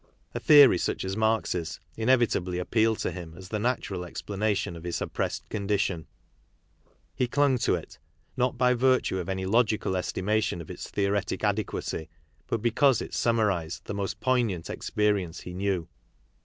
A theory such as Marx's inevitably appealed to him as the natural ex planation of his oppressed condition. He clung to it, not by virtue of any logical estimation of its theoretic adequacy, but because it summarized the most poignant experience he knew.